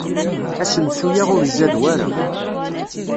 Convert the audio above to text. Asensu-a ur izad wara.